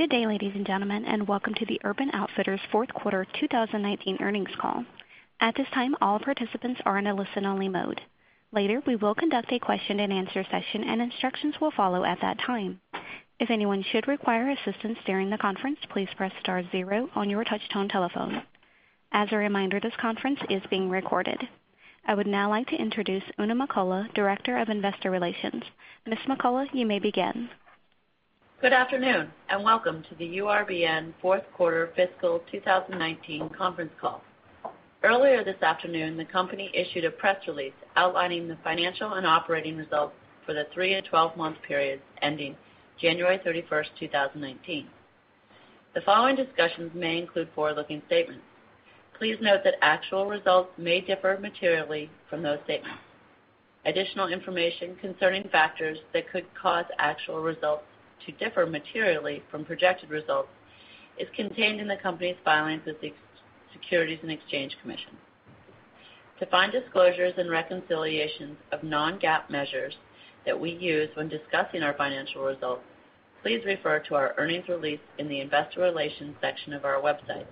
Good day, ladies and gentlemen, and welcome to the Urban Outfitters fourth quarter 2019 earnings call. At this time, all participants are in a listen-only mode. Later, we will conduct a question and answer session, and instructions will follow at that time. If anyone should require assistance during the conference, please press star zero on your touch-tone telephone. As a reminder, this conference is being recorded. I would now like to introduce Oona McCullough, Director of Investor Relations. Ms. McCullough, you may begin. Good afternoon, and welcome to the URBN fourth quarter fiscal 2019 conference call. Earlier this afternoon, the company issued a press release outlining the financial and operating results for the three and 12-month periods ending January 31st, 2019. The following discussions may include forward-looking statements. Please note that actual results may differ materially from those statements. Additional information concerning factors that could cause actual results to differ materially from projected results is contained in the company's filings with the Securities and Exchange Commission. To find disclosures and reconciliations of non-GAAP measures that we use when discussing our financial results, please refer to our earnings release in the Investor Relations section of our website.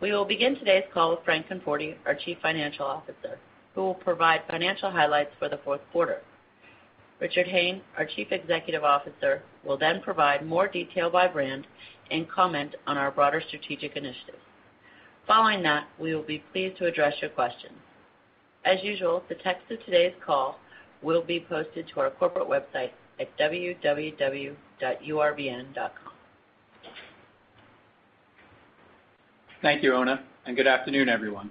We will begin today's call with Frank Conforti, our Chief Financial Officer, who will provide financial highlights for the fourth quarter. Richard Hayne, our Chief Executive Officer, will then provide more detail by brand and comment on our broader strategic initiatives. Following that, we will be pleased to address your questions. As usual, the text of today's call will be posted to our corporate website at www.urbn.com. Thank you, Oona, and good afternoon, everyone.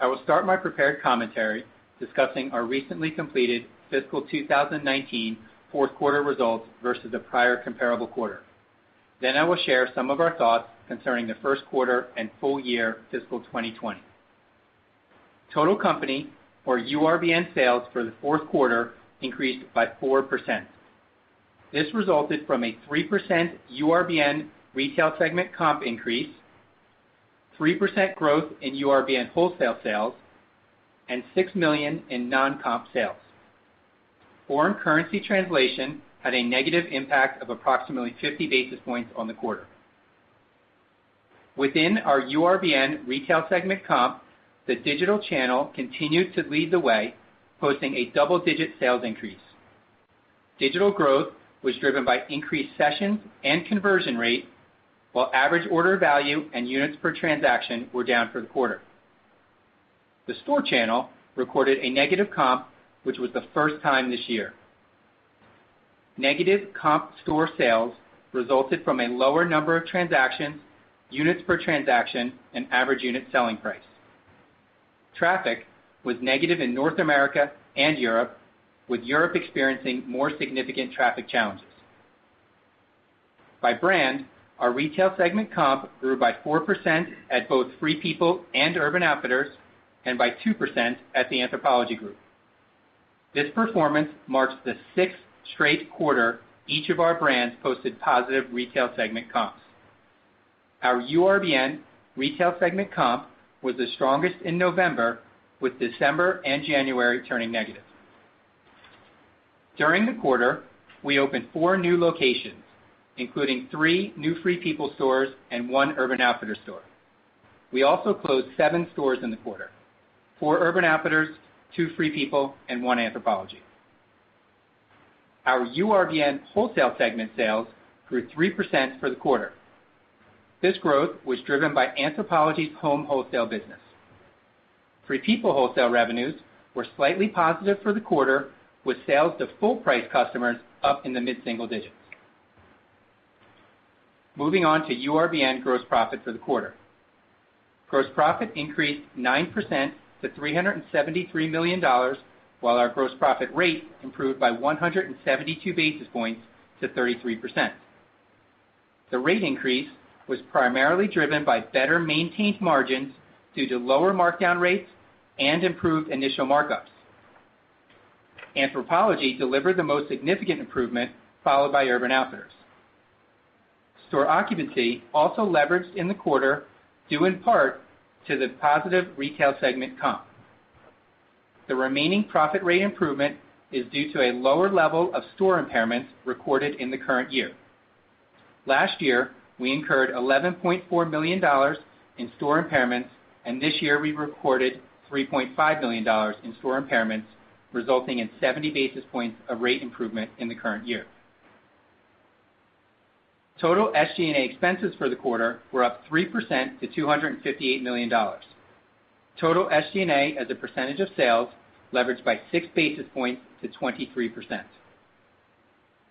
I will start my prepared commentary discussing our recently completed fiscal 2019 fourth quarter results versus the prior comparable quarter. I will share some of our thoughts concerning the first quarter and full year fiscal 2020. Total company or URBN sales for the fourth quarter increased by 4%. This resulted from a 3% URBN retail segment comp increase, 3% growth in URBN wholesale sales, and $6 million in non-comp sales. Foreign currency translation had a negative impact of approximately 50 basis points on the quarter. Within our URBN retail segment comp, the digital channel continued to lead the way, posting a double-digit sales increase. Digital growth was driven by increased sessions and conversion rate, while average order value and units per transaction were down for the quarter. The store channel recorded a negative comp, which was the first time this year. Negative comp store sales resulted from a lower number of transactions, units per transaction, and average unit selling price. Traffic was negative in North America and Europe, with Europe experiencing more significant traffic challenges. By brand, our retail segment comp grew by 4% at both Free People and Urban Outfitters and by 2% at the Anthropologie Group. This performance marks the sixth straight quarter each of our brands posted positive retail segment comps. Our URBN retail segment comp was the strongest in November, with December and January turning negative. During the quarter, we opened 4 new locations, including 3 new Free People stores and 1 Urban Outfitters store. We also closed 7 stores in the quarter, 4 Urban Outfitters, 2 Free People, and 1 Anthropologie. Our URBN wholesale segment sales grew 3% for the quarter. This growth was driven by Anthropologie Home Wholesale. Free People wholesale revenues were slightly positive for the quarter, with sales to full-price customers up in the mid-single digits. Moving on to URBN gross profit for the quarter. Gross profit increased 9% to $373 million, while our gross profit rate improved by 172 basis points to 33%. The rate increase was primarily driven by better-maintained margins due to lower markdown rates and improved initial markups. Anthropologie delivered the most significant improvement, followed by Urban Outfitters. Store occupancy also leveraged in the quarter, due in part to the positive retail segment comp. The remaining profit rate improvement is due to a lower level of store impairments recorded in the current year. Last year, we incurred $11.4 million in store impairments, and this year we recorded $3.5 million in store impairments, resulting in 70 basis points of rate improvement in the current year. Total SG&A expenses for the quarter were up 3% to $258 million. Total SG&A as a percentage of sales leveraged by six basis points to 23%.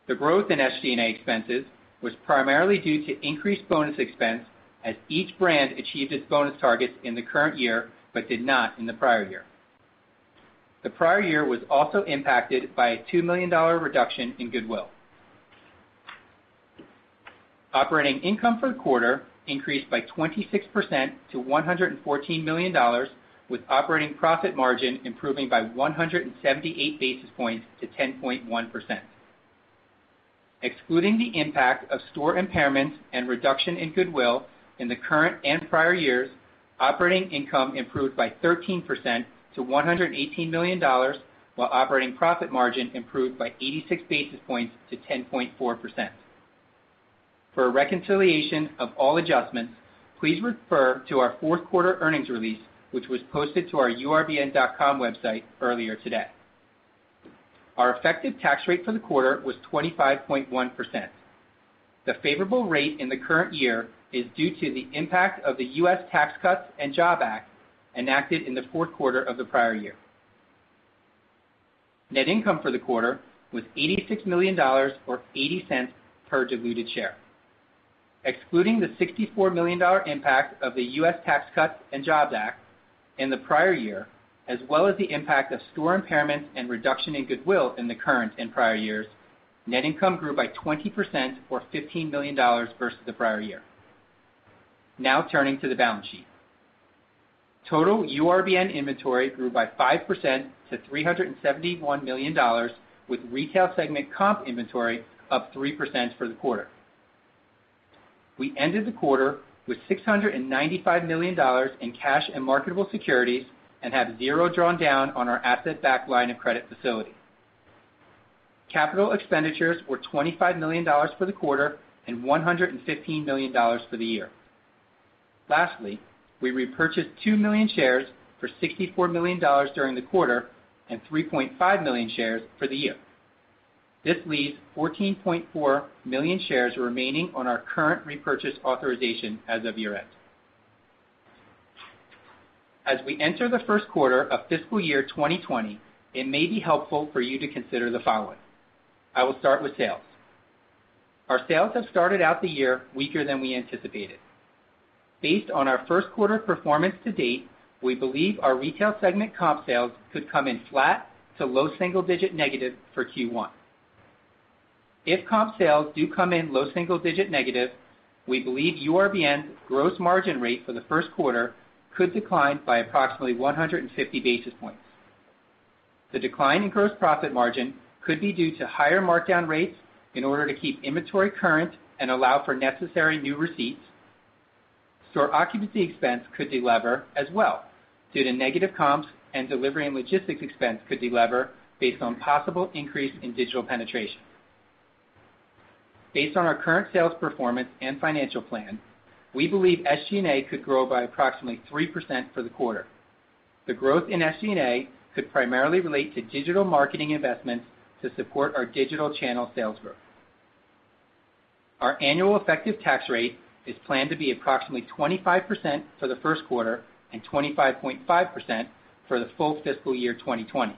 The growth in SG&A expenses was primarily due to increased bonus expense as each brand achieved its bonus targets in the current year but did not in the prior year. The prior year was also impacted by a $2 million reduction in goodwill. Operating income for the quarter increased by 26% to $114 million, with operating profit margin improving by 178 basis points to 10.1%. Excluding the impact of store impairments and reduction in goodwill in the current and prior years, operating income improved by 13% to $118 million, while operating profit margin improved by 86 basis points to 10.4%. For a reconciliation of all adjustments, please refer to our fourth quarter earnings release, which was posted to our urbn.com website earlier today. Our effective tax rate for the quarter was 25.1%. The favorable rate in the current year is due to the impact of the U.S. Tax Cuts and Jobs Act enacted in the fourth quarter of the prior year. Net income for the quarter was $86 million, or $0.80 per diluted share. Excluding the $64 million impact of the U.S. Tax Cuts and Jobs Act in the prior year, as well as the impact of store impairments and reduction in goodwill in the current and prior years, net income grew by 20%, or $15 million versus the prior year. Now turning to the balance sheet. Total URBN inventory grew by 5% to $371 million, with retail segment comp inventory up 3% for the quarter. We ended the quarter with $695 million in cash and marketable securities and have zero drawn down on our asset-backed line of credit facility. Capital expenditures were $25 million for the quarter and $115 million for the year. Lastly, we repurchased two million shares for $64 million during the quarter and 3.5 million shares for the year. This leaves 14.4 million shares remaining on our current repurchase authorization as of year-end. As we enter the first quarter of fiscal year 2020, it may be helpful for you to consider the following. I will start with sales. Our sales have started out the year weaker than we anticipated. Based on our first quarter performance to date, we believe our retail segment comp sales could come in flat to low single digit negative for Q1. If comp sales do come in low single digit negative, we believe URBN's gross margin rate for the first quarter could decline by approximately 150 basis points. The decline in gross profit margin could be due to higher markdown rates in order to keep inventory current and allow for necessary new receipts. Store occupancy expense could delever as well due to negative comps. Delivery and logistics expense could delever based on possible increase in digital penetration. Based on our current sales performance and financial plan, we believe SG&A could grow by approximately 3% for the quarter. The growth in SG&A could primarily relate to digital marketing investments to support our digital channel sales growth. Our annual effective tax rate is planned to be approximately 25% for the first quarter and 25.5% for the full fiscal year 2020.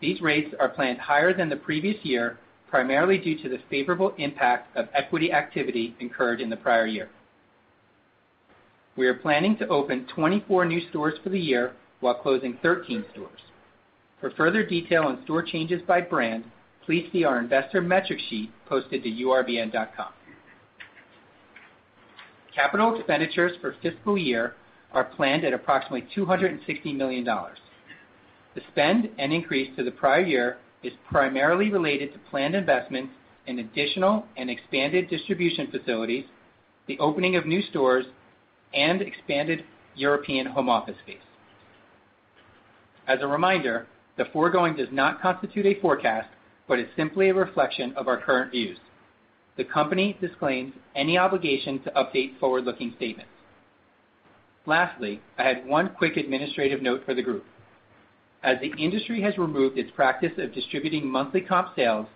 These rates are planned higher than the previous year, primarily due to the favorable impact of equity activity incurred in the prior year. We are planning to open 24 new stores for the year while closing 13 stores. For further detail on store changes by brand, please see our investor metric sheet posted to urbn.com. Capital expenditures for fiscal year are planned at approximately $260 million. The spend and increase to the prior year is primarily related to planned investments in additional and expanded distribution facilities, the opening of new stores, and expanded European home office space. As a reminder, the foregoing does not constitute a forecast, but is simply a reflection of our current views. The company disclaims any obligation to update forward-looking statements. Lastly, I have one quick administrative note for the group. As the industry has removed its practice of distributing monthly comp sales,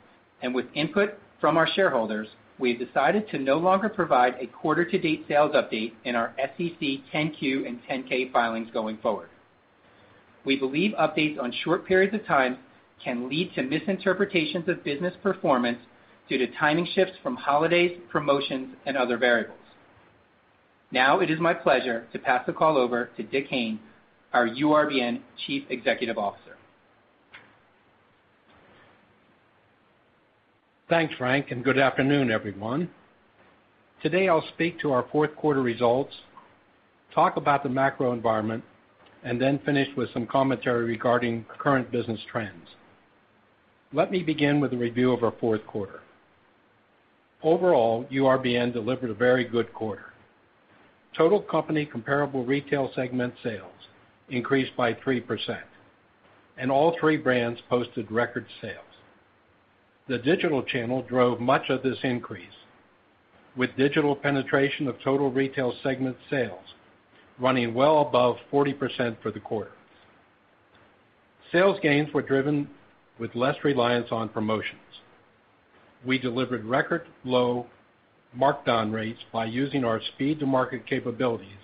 with input from our shareholders, we have decided to no longer provide a quarter to date sales update in our SEC 10-Q and 10-K filings going forward. We believe updates on short periods of time can lead to misinterpretations of business performance due to timing shifts from holidays, promotions, and other variables. Now, it is my pleasure to pass the call over to Dick Hayne, our URBN Chief Executive Officer. Thanks, Frank, Good afternoon, everyone. Today, I'll speak to our fourth quarter results, talk about the macro environment, and then finish with some commentary regarding current business trends. Let me begin with a review of our fourth quarter. Overall, URBN delivered a very good quarter. Total company comparable retail segment sales increased by 3%, and all three brands posted record sales. The digital channel drove much of this increase, with digital penetration of total retail segment sales running well above 40% for the quarter. Sales gains were driven with less reliance on promotions. We delivered record low markdown rates by using our speed to market capabilities,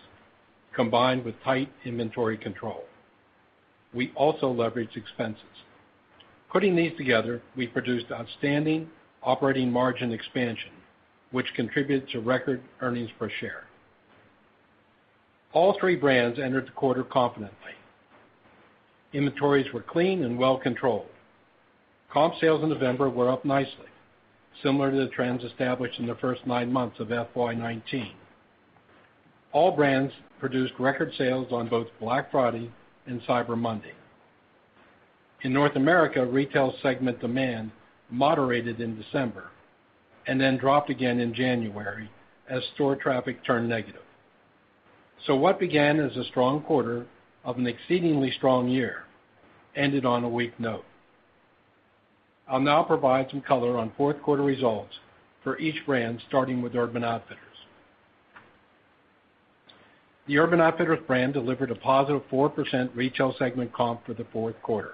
combined with tight inventory control. We also leveraged expenses. Putting these together, we produced outstanding operating margin expansion, which contributed to record earnings per share. All three brands entered the quarter confidently. Inventories were clean and well-controlled. Comp sales in November were up nicely, similar to the trends established in the first nine months of FY 2019. All brands produced record sales on both Black Friday and Cyber Monday. In North America, retail segment demand moderated in December then dropped again in January as store traffic turned negative. What began as a strong quarter of an exceedingly strong year ended on a weak note. I'll now provide some color on fourth quarter results for each brand, starting with Urban Outfitters. The Urban Outfitters brand delivered a positive 4% retail segment comp for the fourth quarter.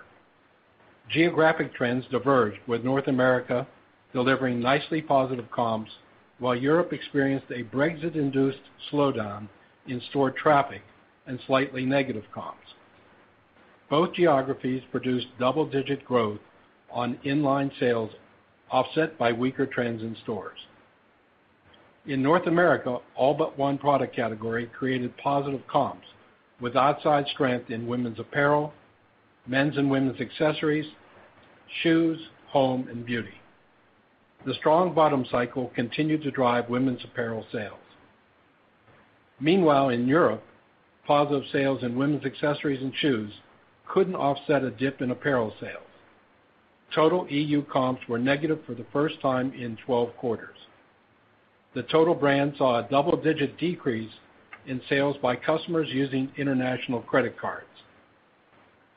Geographic trends diverged with North America delivering nicely positive comps, while Europe experienced a Brexit-induced slowdown in store traffic and slightly negative comps. Both geographies produced double-digit growth on inline sales, offset by weaker trends in stores. In North America, all but one product category created positive comps with outside strength in women's apparel, men's and women's accessories, shoes, home, and beauty. The strong bottom cycle continued to drive women's apparel sales. Meanwhile, in Europe, positive sales in women's accessories and shoes couldn't offset a dip in apparel sales. Total EU comps were negative for the first time in 12 quarters. The total brand saw a double-digit decrease in sales by customers using international credit cards.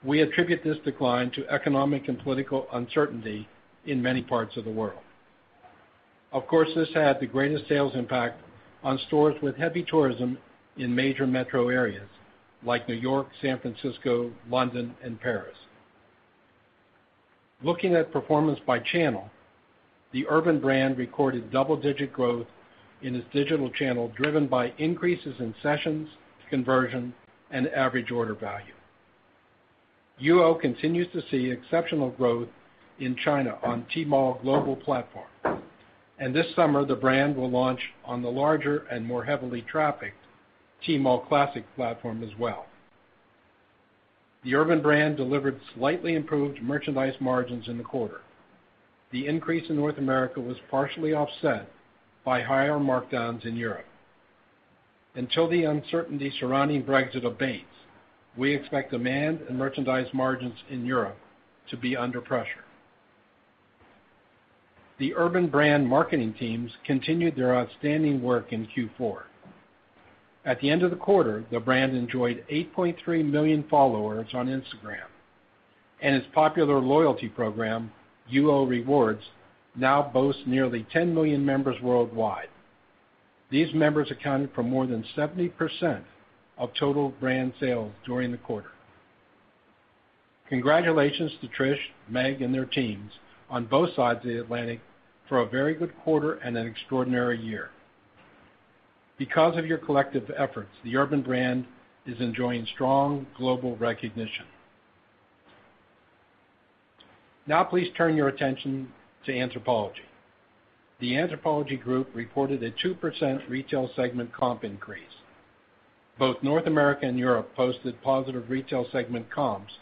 We attribute this decline to economic and political uncertainty in many parts of the world. Of course, this had the greatest sales impact on stores with heavy tourism in major metro areas like New York, San Francisco, London, and Paris. Looking at performance by channel, the Urban brand recorded double-digit growth in its digital channel, driven by increases in sessions, conversion, and average order value. UO continues to see exceptional growth in China on Tmall Global platform. This summer, the brand will launch on the larger and more heavily trafficked Tmall Classic platform as well. The Urban brand delivered slightly improved merchandise margins in the quarter. The increase in North America was partially offset by higher markdowns in Europe. Until the uncertainty surrounding Brexit abates, we expect demand and merchandise margins in Europe to be under pressure. The Urban brand marketing teams continued their outstanding work in Q4. At the end of the quarter, the brand enjoyed 8.3 million followers on Instagram, and its popular loyalty program, UO Rewards, now boasts nearly 10 million members worldwide. These members accounted for more than 70% of total brand sales during the quarter. Congratulations to Trish, Meg, and their teams on both sides of the Atlantic for a very good quarter and an extraordinary year. Because of your collective efforts, the Urban brand is enjoying strong global recognition. Now please turn your attention to Anthropologie. The Anthropologie Group reported a 2% retail segment comp increase. Both North America and Europe posted positive retail segment comps,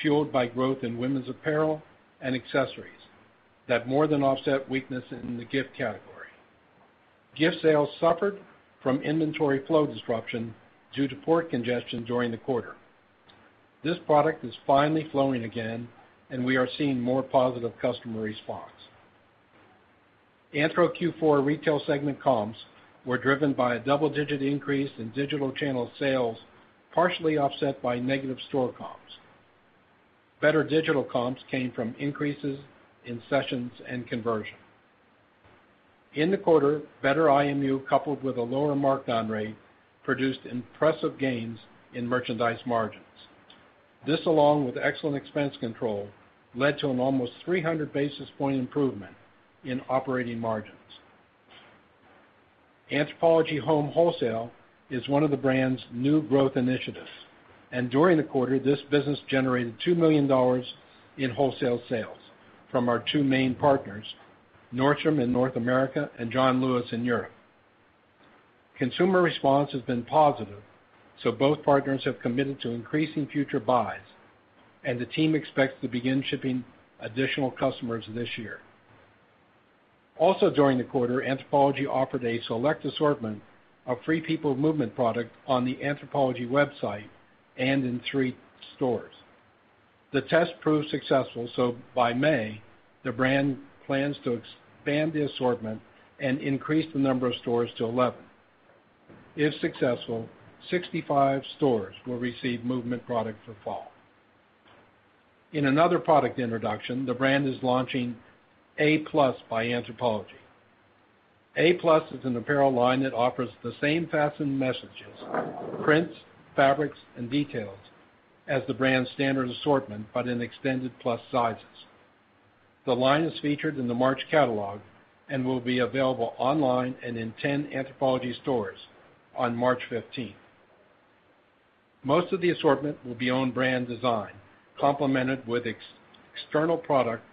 fueled by growth in women's apparel and accessories that more than offset weakness in the gift category. Gift sales suffered from inventory flow disruption due to port congestion during the quarter. This product is finally flowing again, and we are seeing more positive customer response. Anthro Q4 retail segment comps were driven by a double-digit increase in digital channel sales, partially offset by negative store comps. Better digital comps came from increases in sessions and conversion. In the quarter, better IMU, coupled with a lower markdown rate, produced impressive gains in merchandise margins. This, along with excellent expense control, led to an almost 300-basis point improvement in operating margins. Anthropologie Home Wholesale is one of the brand's new growth initiatives. During the quarter, this business generated $2 million in wholesale sales from our two main partners, Nordstrom in North America and John Lewis in Europe. Consumer response has been positive. Both partners have committed to increasing future buys, and the team expects to begin shipping additional customers this year. Also during the quarter, Anthropologie offered a select assortment of Free People Movement product on the anthropologie.com website and in three stores. The test proved successful. By May, the brand plans to expand the assortment and increase the number of stores to 11. If successful, 65 stores will receive Movement product for fall. In another product introduction, the brand is launching APlus by Anthropologie. APlus is an apparel line that offers the same fashion messages, prints, fabrics, and details as the brand's standard assortment, but in extended plus sizes. The line is featured in the March catalog and will be available online and in 10 Anthropologie stores on March 15th. Most of the assortment will be own brand design, complemented with external product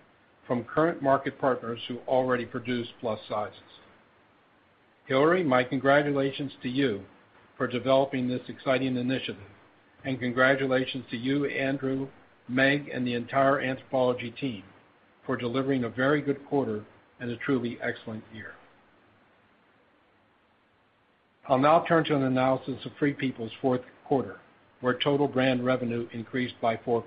from current market partners who already produce plus sizes. Hillary, my congratulations to you for developing this exciting initiative, and congratulations to you, Andrew, Meg, and the entire Anthropologie team for delivering a very good quarter and a truly excellent year. I'll now turn to an analysis of Free People's fourth quarter, where total brand revenue increased by 4%.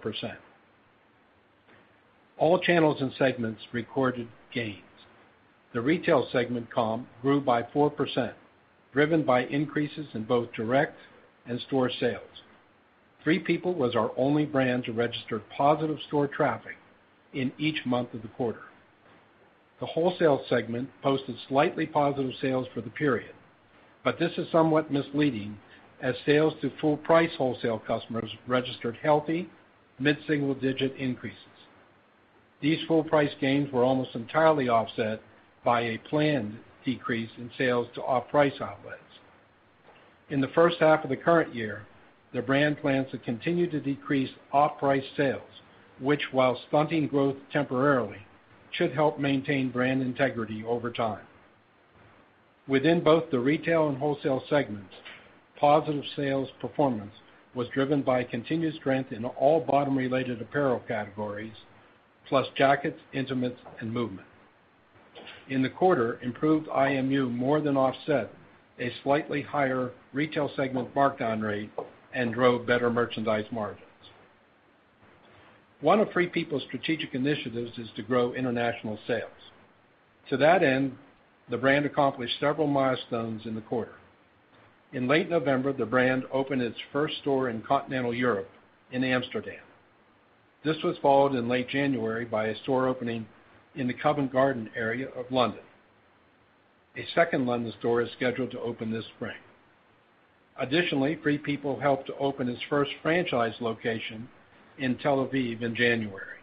All channels and segments recorded gains. The retail segment comp grew by 4%, driven by increases in both direct and store sales. Free People was our only brand to register positive store traffic in each month of the quarter. The wholesale segment posted slightly positive sales for the period. This is somewhat misleading, as sales to full-price wholesale customers registered healthy mid-single-digit increases. These full-price gains were almost entirely offset by a planned decrease in sales to off-price outlets. In the first half of the current year, the brand plans to continue to decrease off-price sales, which, while stunting growth temporarily, should help maintain brand integrity over time. Within both the retail and wholesale segments, positive sales performance was driven by continued strength in all bottom-related apparel categories, plus jackets, intimates, and movement. In the quarter, improved IMU more than offset a slightly higher retail segment markdown rate and drove better merchandise margins. One of Free People's strategic initiatives is to grow international sales. To that end, the brand accomplished several milestones in the quarter. In late November, the brand opened its first store in continental Europe in Amsterdam. This was followed in late January by a store opening in the Covent Garden area of London. A second London store is scheduled to open this spring. Additionally, Free People helped to open its first franchise location in Tel Aviv in January.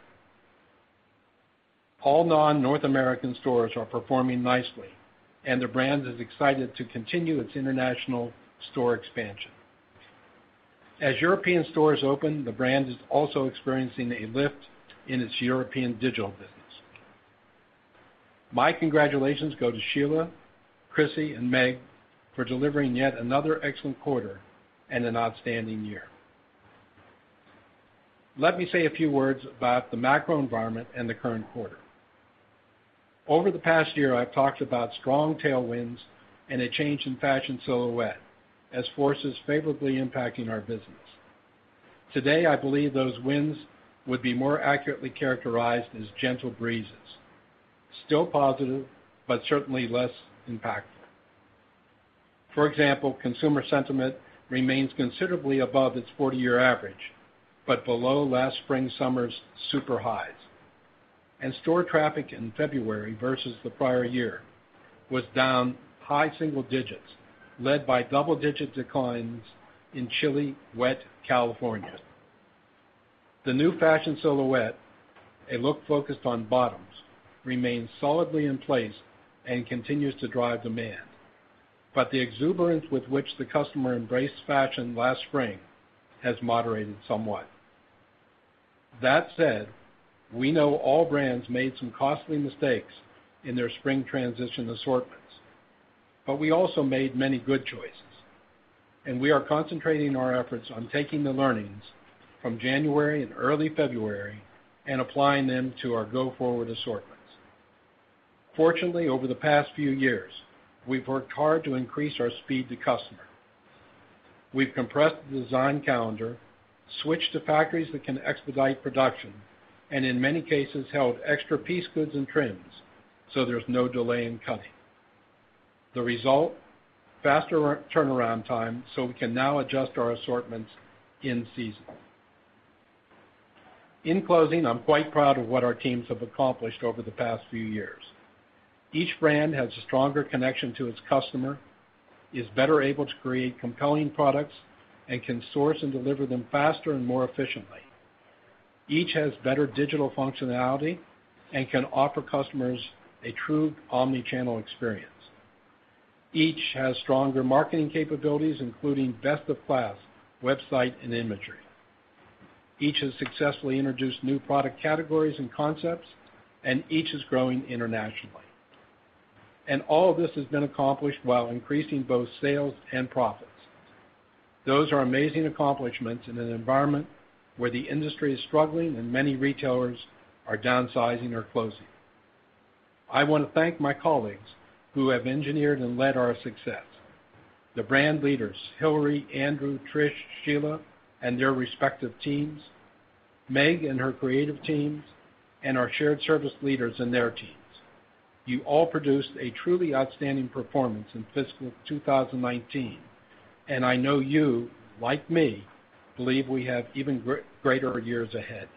All non-North American stores are performing nicely, and the brand is excited to continue its international store expansion. As European stores open, the brand is also experiencing a lift in its European digital business. My congratulations go to Sheila, Chrissy, and Meg for delivering yet another excellent quarter and an outstanding year. Let me say a few words about the macro environment and the current quarter. Over the past year, I've talked about strong tailwinds and a change in fashion silhouette as forces favorably impacting our business. Today, I believe those winds would be more accurately characterized as gentle breezes, still positive, but certainly less impactful. For example, consumer sentiment remains considerably above its 40-year average but below last spring/summer's super highs. Store traffic in February versus the prior year was down high single digits, led by double-digit declines in chilly, wet California. The new fashion silhouette, a look focused on bottoms, remains solidly in place and continues to drive demand. The exuberance with which the customer embraced fashion last spring has moderated somewhat. That said, we know all brands made some costly mistakes in their spring transition assortments, but we also made many good choices, and we are concentrating our efforts on taking the learnings from January and early February and applying them to our go-forward assortments. Fortunately, over the past few years, we've worked hard to increase our speed to customer. We've compressed the design calendar, switched to factories that can expedite production, and in many cases, held extra piece goods and trims so there's no delay in cutting. The result, faster turnaround time, so we can now adjust our assortments in season. In closing, I'm quite proud of what our teams have accomplished over the past few years. Each brand has a stronger connection to its customer, is better able to create compelling products, and can source and deliver them faster and more efficiently. Each has better digital functionality and can offer customers a true omni-channel experience. Each has stronger marketing capabilities, including best-of-class website and imagery. Each has successfully introduced new product categories and concepts, and each is growing internationally. All of this has been accomplished while increasing both sales and profits. Those are amazing accomplishments in an environment where the industry is struggling and many retailers are downsizing or closing. I want to thank my colleagues who have engineered and led our success. The brand leaders, Hillary, Andrew, Trish, Sheila, and their respective teams, Meg and her creative teams, and our shared service leaders and their teams. You all produced a truly outstanding performance in fiscal 2019, and I know you, like me, believe we have even greater years ahead.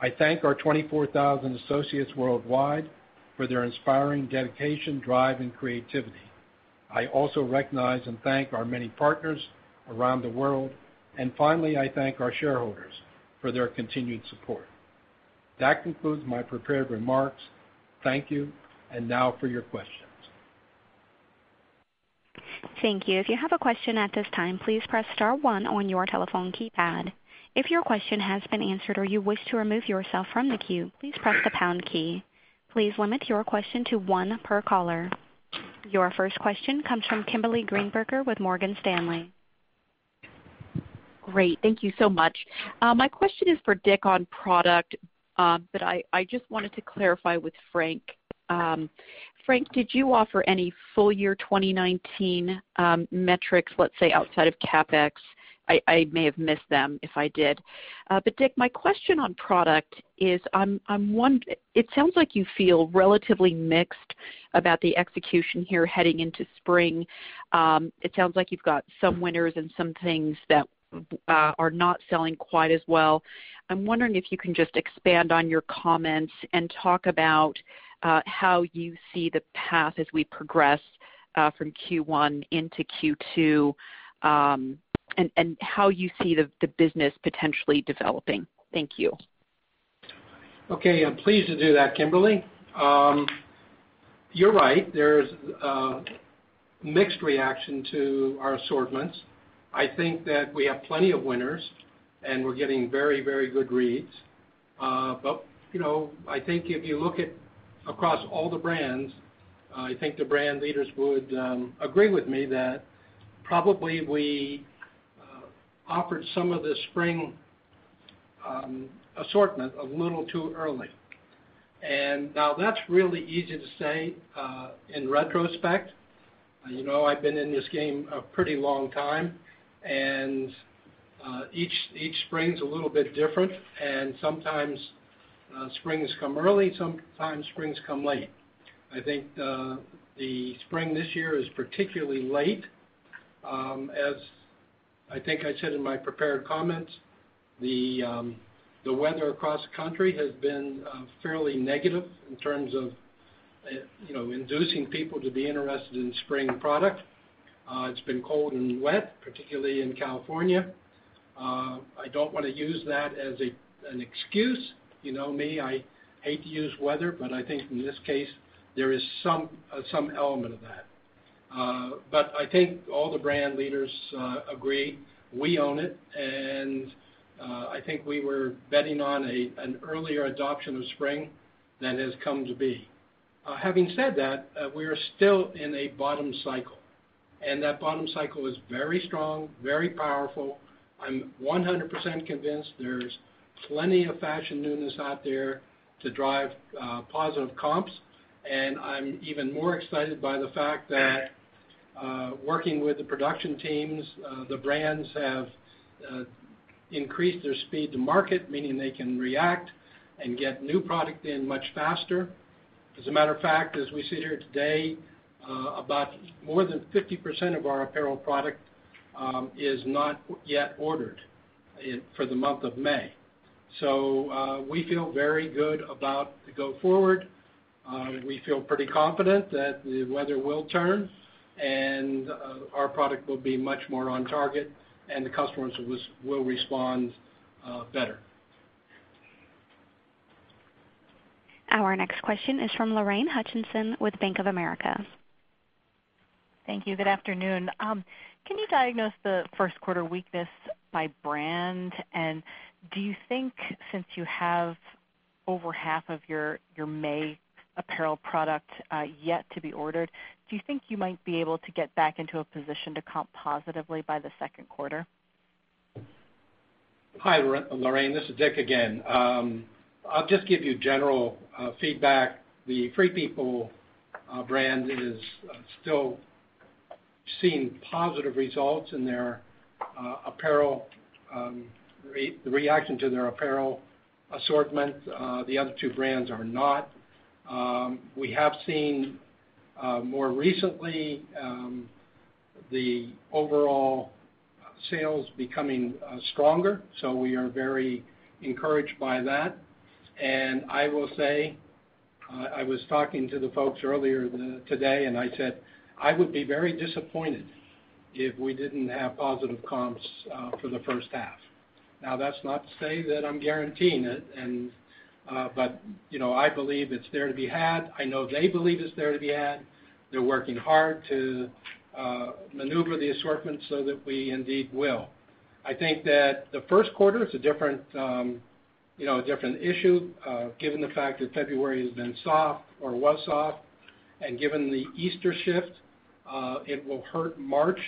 I thank our 24,000 associates worldwide for their inspiring dedication, drive, and creativity. I also recognize and thank our many partners around the world. Finally, I thank our shareholders for their continued support. That concludes my prepared remarks. Thank you. Now for your questions. Thank you. If you have a question at this time, please press star one on your telephone keypad. If your question has been answered or you wish to remove yourself from the queue, please press the pound key. Please limit your question to one per caller. Your first question comes from Kimberly Greenberger with Morgan Stanley. Great. Thank you so much. My question is for Dick on product. I just wanted to clarify with Frank. Frank, did you offer any full year 2019 metrics, let's say, outside of CapEx? I may have missed them if I did. Dick, my question on product is, it sounds like you feel relatively mixed about the execution here heading into spring. It sounds like you've got some winners and some things that are not selling quite as well. I'm wondering if you can just expand on your comments and talk about how you see the path as we progress from Q1 into Q2, and how you see the business potentially developing. Thank you. Okay. I'm pleased to do that, Kimberly. You're right. There's a mixed reaction to our assortments. I think that we have plenty of winners. We're getting very good reads. I think if you look at across all the brands, I think the brand leaders would agree with me that probably we offered some of the spring assortment a little too early. Now that's really easy to say in retrospect. I've been in this game a pretty long time. Each spring is a little bit different. Sometimes springs come early, sometimes springs come late. I think the spring this year is particularly late. As I think I said in my prepared comments, the weather across the country has been fairly negative in terms of inducing people to be interested in spring product. It's been cold and wet, particularly in California. I don't want to use that as an excuse. You know me, I hate to use weather. I think in this case, there is some element of that. I think all the brand leaders agree we own it, and I think we were betting on an earlier adoption of spring than has come to be. Having said that, we are still in a bottom cycle, and that bottom cycle is very strong, very powerful. I'm 100% convinced there's plenty of fashion newness out there to drive positive comps, and I'm even more excited by the fact that working with the production teams, the brands have increased their speed to market, meaning they can react and get new product in much faster. As a matter of fact, as we sit here today, about more than 50% of our apparel product is not yet ordered for the month of May. We feel very good about the go forward. We feel pretty confident that the weather will turn, and our product will be much more on target, and the customers will respond better. Our next question is from Lorraine Hutchinson with Bank of America. Thank you. Good afternoon. Can you diagnose the first quarter weakness by brand? Do you think, since you have over half of your May apparel product yet to be ordered, do you think you might be able to get back into a position to comp positively by the second quarter? Hi, Lorraine. This is Dick again. I will just give you general feedback. The Free People brand is still seeing positive results in the reaction to their apparel assortment. The other two brands are not. We have seen more recently, the overall sales becoming stronger, so we are very encouraged by that. I will say, I was talking to the folks earlier today and I said I would be very disappointed if we didn't have positive comps for the first half. That's not to say that I'm guaranteeing it, but I believe it's there to be had. I know they believe it's there to be had. They're working hard to maneuver the assortment so that we indeed will. I think that the first quarter is a different issue, given the fact that February has been soft or was soft, and given the Easter shift, it will hurt March.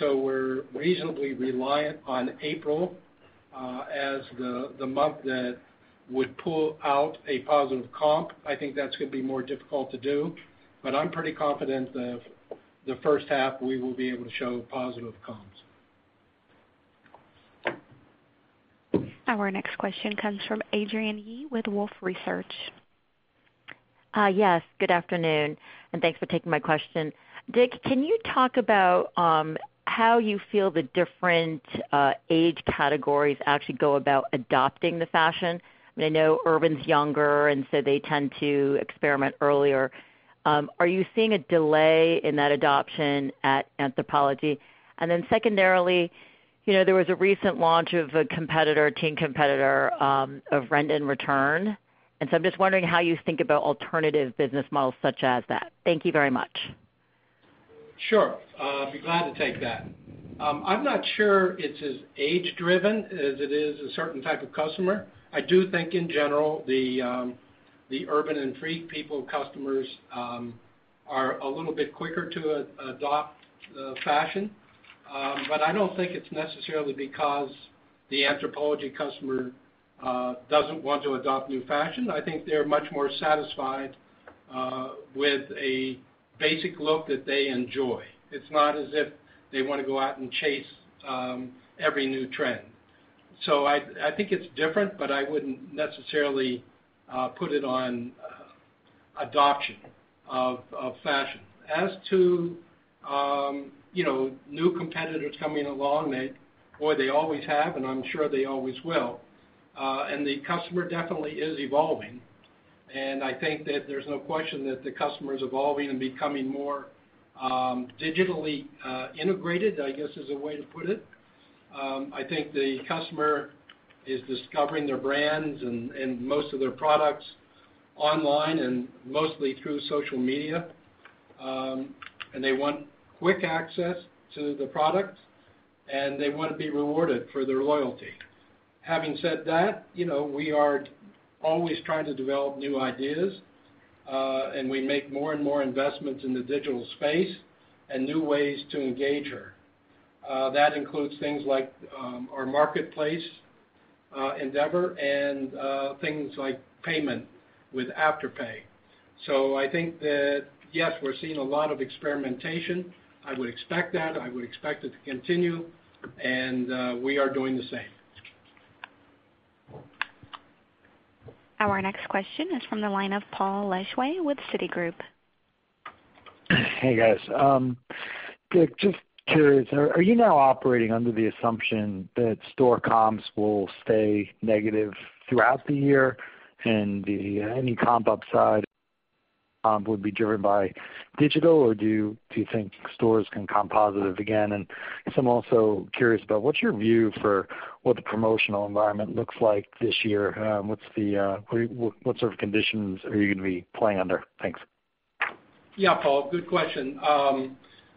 We're reasonably reliant on April as the month that would pull out a positive comp. I think that's going to be more difficult to do. I'm pretty confident that the first half, we will be able to show positive comps. Our next question comes from Adrienne Yih with Wolfe Research. Yes. Good afternoon, and thanks for taking my question. Dick, can you talk about how you feel the different age categories actually go about adopting the fashion? I know Urban's younger, so they tend to experiment earlier. Are you seeing a delay in that adoption at Anthropologie? Secondarily, there was a recent launch of a teen competitor, of Rent the Runway. I'm just wondering how you think about alternative business models such as that. Thank you very much. Sure. I'd be glad to take that. I'm not sure it's as age driven as it is a certain type of customer. I do think in general, the Urban and Free People customers are a little bit quicker to adopt fashion. I don't think it's necessarily because the Anthropologie customer doesn't want to adopt new fashion. I think they're much more satisfied with a basic look that they enjoy. It's not as if they want to go out and chase every new trend. I think it's different, but I wouldn't necessarily put it on adoption of fashion. As to new competitors coming along, boy, they always have, and I'm sure they always will. The customer definitely is evolving, and I think that there's no question that the customer is evolving and becoming more digitally integrated, I guess, is a way to put it. I think the customer is discovering their brands and most of their products online and mostly through social media. They want quick access to the product, and they want to be rewarded for their loyalty. Having said that, we are always trying to develop new ideas. We make more and more investments in the digital space and new ways to engage her. That includes things like our marketplace endeavor and things like payment with Afterpay. I think that, yes, we're seeing a lot of experimentation. I would expect that. I would expect it to continue, and we are doing the same. Our next question is from the line of Paul Lejuez with Citigroup. Hey, guys. Dick, just curious, are you now operating under the assumption that store comps will stay negative throughout the year and any comp upside would be driven by digital, or do you think stores can comp positive again? Guess I'm also curious about what's your view for what the promotional environment looks like this year. What sort of conditions are you going to be playing under? Thanks. Yeah, Paul, good question.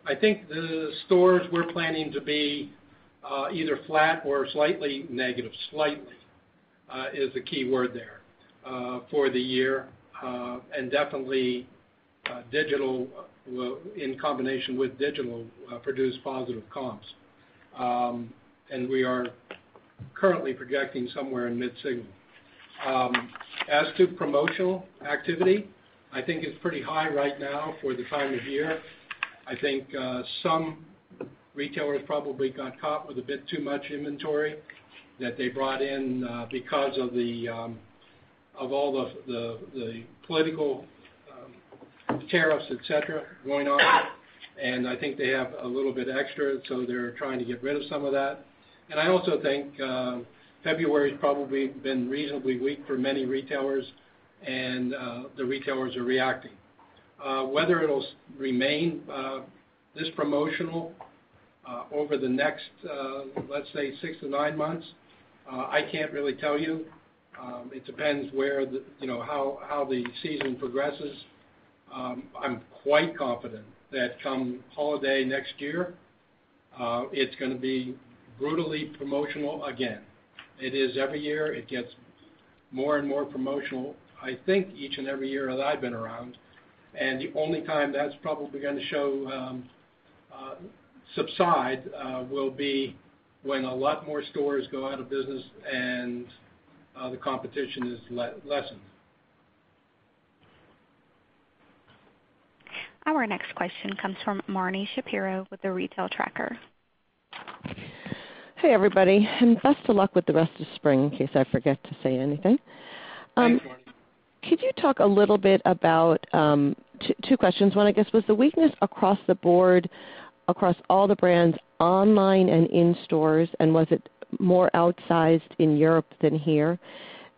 I think the stores we're planning to be either flat or slightly negative. Slightly is the key word there for the year. Definitely in combination with digital produce positive comps. We are currently projecting somewhere in mid-single. As to promotional activity, I think it's pretty high right now for the time of year. I think some retailers probably got caught with a bit too much inventory that they brought in because of all the political tariffs, et cetera, going on. I think they have a little bit extra, so they're trying to get rid of some of that. I also think February's probably been reasonably weak for many retailers, and the retailers are reacting. Whether it'll remain this promotional over the next, let's say, six to nine months, I can't really tell you. It depends how the season progresses. I'm quite confident that come holiday next year, it's gonna be brutally promotional again. It is every year. It gets more and more promotional, I think, each and every year that I've been around. The only time that's probably gonna subside will be when a lot more stores go out of business and the competition is lessened. Our next question comes from Marni Shapiro with The Retail Tracker. Hey, everybody, and best of luck with the rest of spring, in case I forget to say anything. Thanks, Marni. Could you talk a little bit about two questions. One, I guess, was the weakness across the board, across all the brands, online and in stores, and was it more outsized in Europe than here?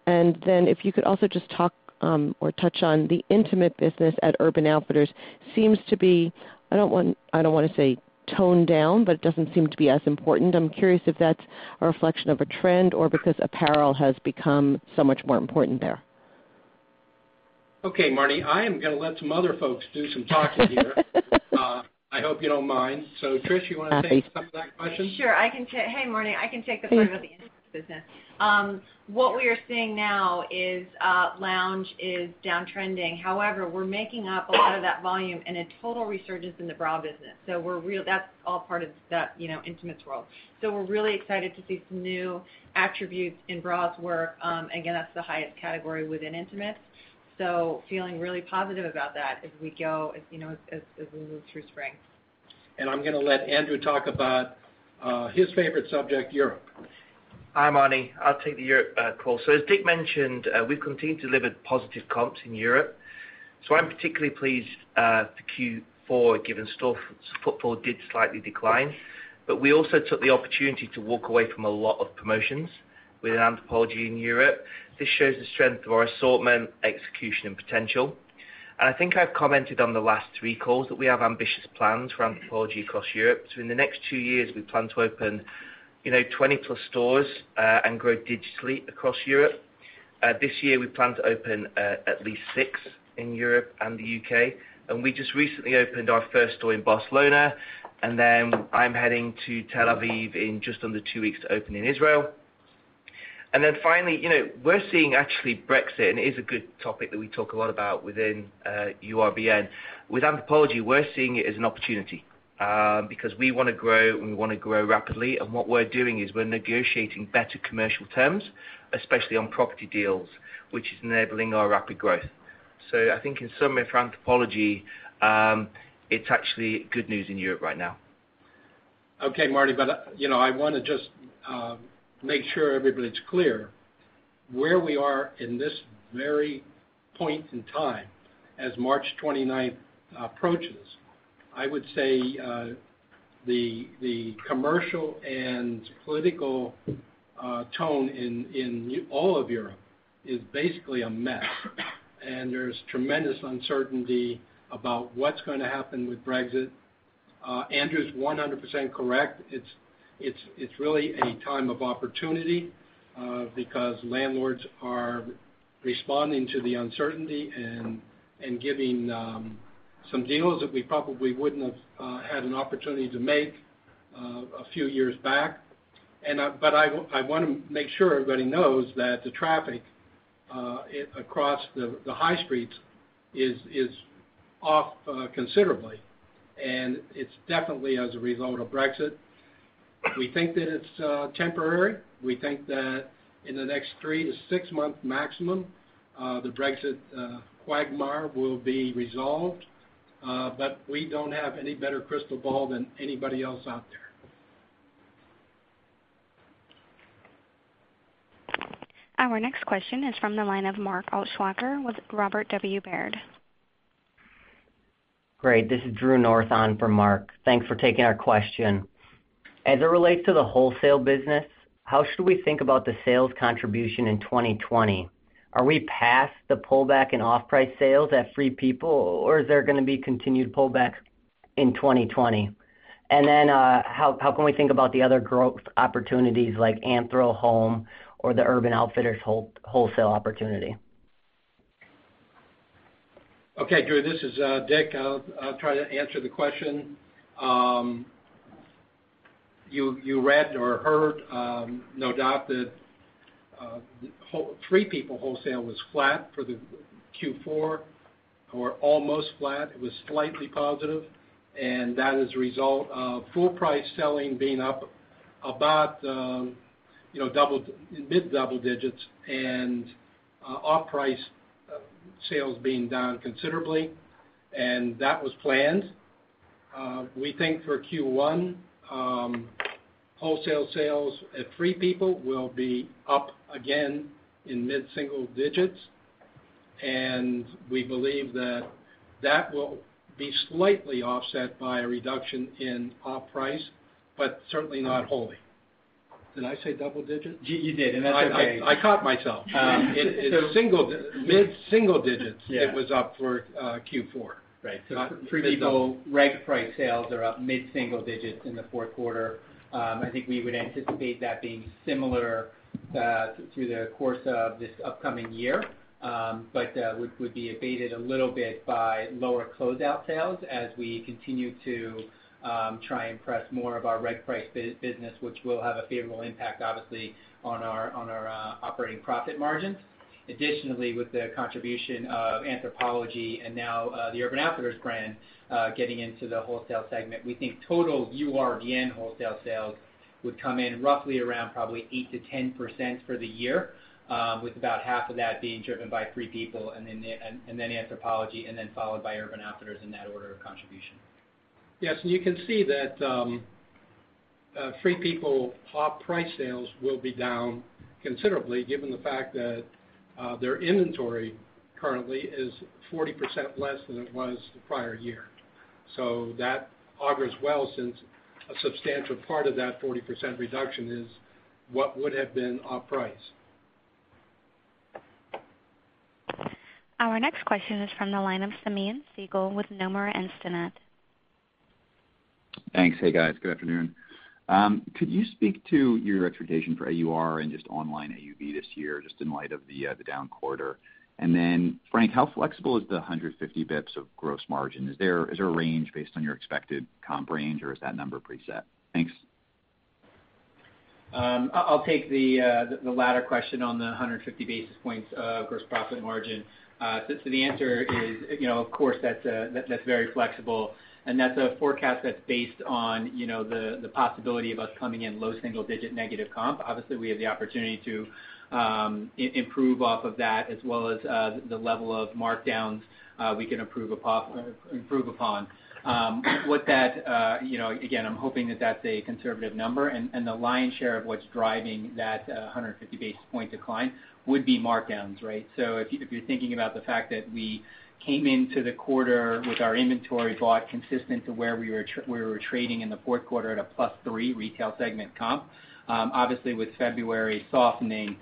Then if you could also just talk or touch on the intimate business at Urban Outfitters seems to be, I don't want to say toned down, but it doesn't seem to be as important. I'm curious if that's a reflection of a trend or because apparel has become so much more important there. Okay, Marni, I am gonna let some other folks do some talking here. I hope you don't mind. Trish, you want to take some of that question? Sure. Hey, Marni. I can take the part about the intimate business. What we are seeing now is lounge is downtrending. However, we're making up a lot of that volume in a total resurgence in the bra business. That's all part of that intimates world. We're really excited to see some new attributes in bras where, again, that's the highest category within intimate. Feeling really positive about that as we move through spring. I'm going to let Andrew talk about his favorite subject, Europe. Hi, Marni. I'll take the Europe call. As Dick mentioned, we've continued to deliver positive comps in Europe. I'm particularly pleased with Q4, given store footfall did slightly decline. We also took the opportunity to walk away from a lot of promotions within Anthropologie in Europe. This shows the strength of our assortment, execution, and potential. I think I've commented on the last three calls that we have ambitious plans for Anthropologie across Europe. In the next two years, we plan to open 20 plus stores and grow digitally across Europe. This year, we plan to open at least six in Europe and the U.K. We just recently opened our first store in Barcelona, and then I'm heading to Tel Aviv in just under two weeks to open in Israel. Finally, we're seeing actually Brexit, and it is a good topic that we talk a lot about within URBN. With Anthropologie, we're seeing it as an opportunity, because we want to grow, and we want to grow rapidly. What we're doing is we're negotiating better commercial terms, especially on property deals, which is enabling our rapid growth. I think in some way, for Anthropologie, it's actually good news in Europe right now. Okay, Marni. I want to just make sure everybody's clear where we are in this very point in time as March 29th approaches. I would say, the commercial and political tone in all of Europe is basically a mess. There's tremendous uncertainty about what's going to happen with Brexit. Andrew's 100% correct. It's really a time of opportunity, because landlords are responding to the uncertainty and giving some deals that we probably wouldn't have had an opportunity to make a few years back. I want to make sure everybody knows that the traffic across the high streets is off considerably, and it's definitely as a result of Brexit. We think that it's temporary. We think that in the next three to six months maximum, the Brexit quagmire will be resolved. We don't have any better crystal ball than anybody else out there. Our next question is from the line of Mark Altschwager with Robert W. Baird. Great. This is Drew Foster on for Mark. Thanks for taking our question. As it relates to the wholesale business, how should we think about the sales contribution in 2020? Are we past the pullback in off-price sales at Free People, or is there going to be continued pullback in 2020? How can we think about the other growth opportunities like AnthroHome or the Urban Outfitters wholesale opportunity? Okay, Drew, this is Dick. I'll try to answer the question. You read or heard, no doubt that Free People wholesale was flat for the Q4 or almost flat. It was slightly positive, and that is a result of full price selling being up about mid-double digits and off-price sales being down considerably. That was planned. We think for Q1, wholesale sales at Free People will be up again in mid-single digits, and we believe that that will be slightly offset by a reduction in off-price, but certainly not wholly. Did I say double digits? You did, that's okay. I caught myself. It's mid-single digits. Yeah. It was up for Q4. Right. Free People reg price sales are up mid-single digits in the fourth quarter. I think we would anticipate that being similar through the course of this upcoming year. Would be abated a little bit by lower closeout sales as we continue to try and press more of our reg price business, which will have a favorable impact, obviously, on our operating profit margins. Additionally, with the contribution of Anthropologie and now the Urban Outfitters brand, getting into the wholesale segment, we think total URBN wholesale sales would come in roughly around probably 8%-10% for the year. With about half of that being driven by Free People and then Anthropologie, and then followed by Urban Outfitters in that order of contribution. Yes, you can see that Free People off-price sales will be down considerably given the fact that their inventory currently is 40% less than it was the prior year. That augurs well since a substantial part of that 40% reduction is what would have been off-price. Our next question is from the line of Simeon Siegel with Nomura Instinet. Thanks. Hey, guys. Good afternoon. Could you speak to your expectation for AUR and just online AUV this year, just in light of the down quarter? Frank, how flexible is the 150 basis points of gross margin? Is there a range based on your expected comp range, or is that number preset? Thanks. I'll take the latter question on the 150 basis points of gross profit margin. The answer is, of course, that's very flexible and that's a forecast that's based on the possibility of us coming in low single digit negative comp. Obviously, we have the opportunity to improve off of that as well as the level of markdowns we can improve upon. Again, I'm hoping that that's a conservative number, and the lion's share of what's driving that 150 basis point decline would be markdowns. If you're thinking about the fact that we came into the quarter with our inventory bought consistent to where we were trading in the fourth quarter at a plus 3 retail segment comp. Obviously, with February softening,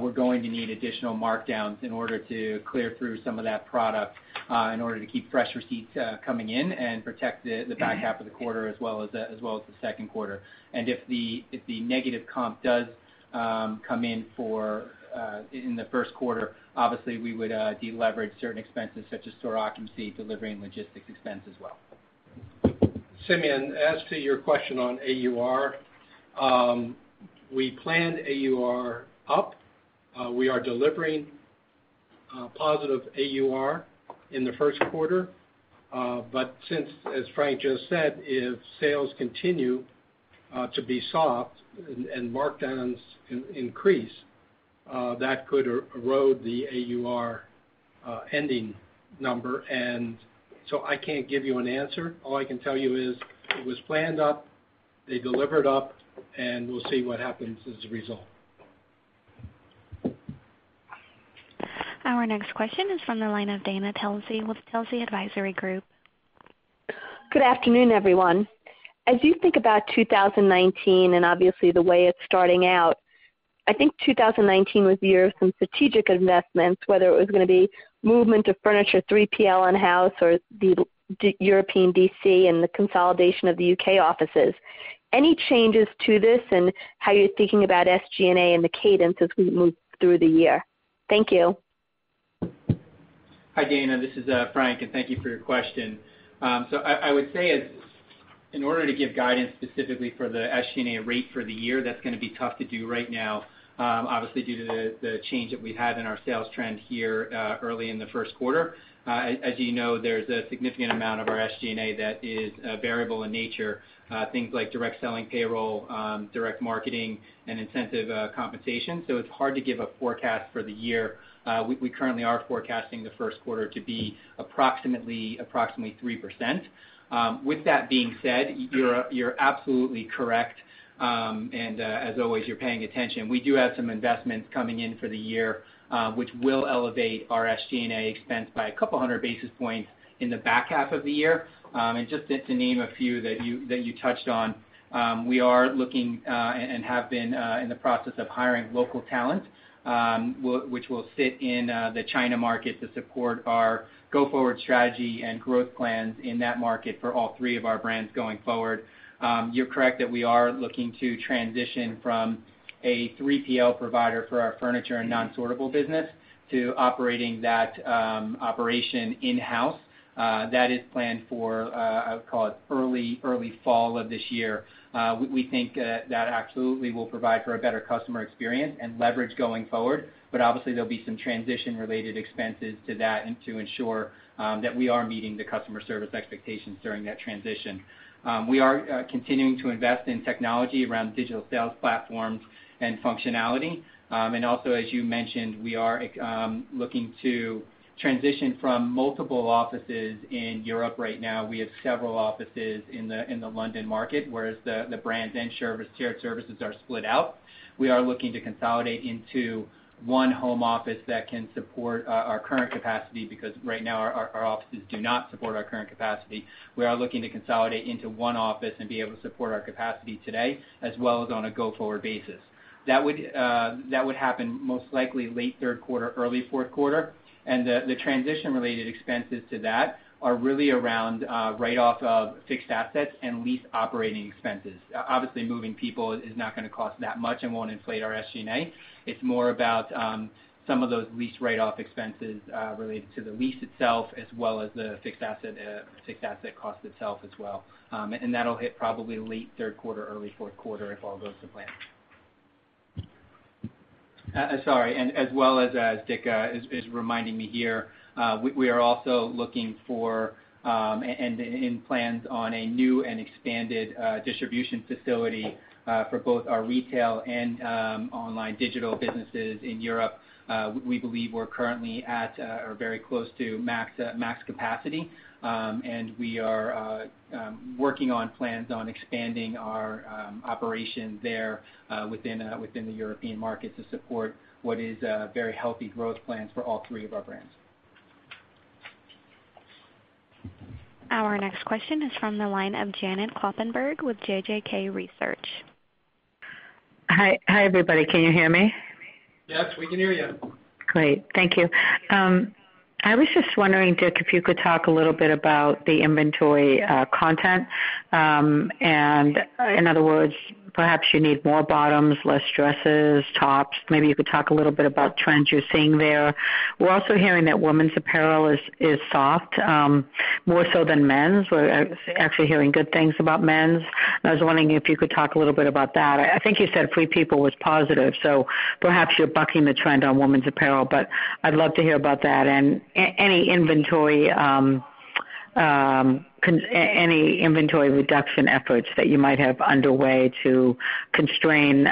we're going to need additional markdowns in order to clear through some of that product, in order to keep fresh receipts coming in and protect the back half of the quarter as well as the second quarter. If the negative comp does come in the first quarter, obviously, we would deleverage certain expenses such as store occupancy, delivery, and logistics expense as well. Simeon, as to your question on AUR, we planned AUR up. We are delivering positive AUR in the first quarter. Since, as Frank just said, if sales continue to be soft and markdowns increase, that could erode the AUR ending number. I can't give you an answer. All I can tell you is it was planned up, they delivered up, and we'll see what happens as a result. Our next question is from the line of Dana Telsey with Telsey Advisory Group. Good afternoon, everyone. As you think about 2019 and obviously the way it's starting out, I think 2019 was the year of some strategic investments, whether it was going to be movement of furniture, 3PL in-house or the European DC and the consolidation of the U.K. offices. Any changes to this and how you're thinking about SG&A and the cadence as we move through the year? Thank you. Hi, Dana. This is Frank. Thank you for your question. I would say in order to give guidance specifically for the SG&A rate for the year, that's going to be tough to do right now obviously due to the change that we've had in our sales trend here early in the first quarter. As you know, there's a significant amount of our SG&A that is variable in nature. Things like direct selling payroll, direct marketing and incentive compensation. It's hard to give a forecast for the year. We currently are forecasting the first quarter to be approximately 3%. With that being said, you're absolutely correct, and as always, you're paying attention. We do have some investments coming in for the year, which will elevate our SG&A expense by a couple hundred basis points in the back half of the year. Just to name a few that you touched on, we are looking, and have been in the process of hiring local talent, which will sit in the China market to support our go-forward strategy and growth plans in that market for all three of our brands going forward. You're correct that we are looking to transition from a 3PL provider for our furniture and non-sortable business to operating that operation in-house. That is planned for, I would call it early fall of this year. We think that absolutely will provide for a better customer experience and leverage going forward. Obviously there'll be some transition related expenses to that and to ensure that we are meeting the customer service expectations during that transition. We are continuing to invest in technology around digital sales platforms and functionality. Also, as you mentioned, we are looking to transition from multiple offices in Europe right now. We have several offices in the London market, whereas the brands and shared services are split out. We are looking to consolidate into one home office that can support our current capacity because right now our offices do not support our current capacity. We are looking to consolidate into one office and be able to support our capacity today as well as on a go-forward basis. That would happen most likely late third quarter, early fourth quarter, and the transition related expenses to that are really around write off of fixed assets and lease operating expenses. Obviously moving people is not going to cost that much and won't inflate our SG&A. It's more about some of those lease write-off expenses related to the lease itself as well as the fixed asset cost itself as well. That'll hit probably late third quarter, early fourth quarter if all goes to plan. Sorry. As well as Dick is reminding me here, we are also looking for and in plans on a new and expanded distribution facility for both our retail and online digital businesses in Europe. We believe we're currently at or very close to max capacity. We are working on plans on expanding our operation there within the European market to support what is very healthy growth plans for all three of our brands. Our next question is from the line of Janet Kloppenburg with JJK Research. Hi, everybody. Can you hear me? Yes, we can hear you. Great. Thank you. I was just wondering, Dick, if you could talk a little bit about the inventory content. In other words, perhaps you need more bottoms, less dresses, tops. Maybe you could talk a little bit about trends you're seeing there. We're also hearing that women's apparel is soft, more so than men's. We're actually hearing good things about men's. I was wondering if you could talk a little bit about that. I think you said Free People was positive, so perhaps you're bucking the trend on women's apparel, but I'd love to hear about that and any inventory reduction efforts that you might have underway to constrain